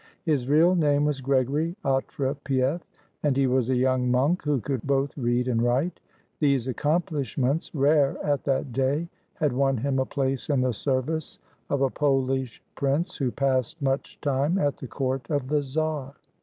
His real name was Gregory Otrepief ; and he was a young monk who could both read and write. These accomplishments, rare at that day, had won him a place in the service of a Polish prince who passed much time at the court of the czar.